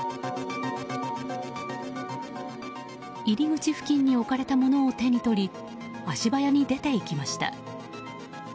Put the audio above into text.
入り口付近に置かれていたものを手に取り足早に出て行きました。